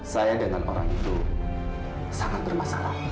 saya dengan orang itu sangat bermasalah